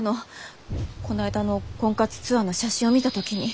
こないだの婚活ツアーの写真を見た時に。